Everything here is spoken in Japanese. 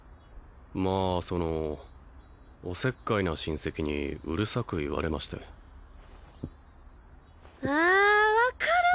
まあそのおせっかいな親戚にうるさく言われましてああ分かる！